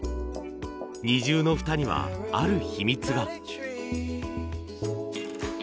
二重の蓋にはある秘密が。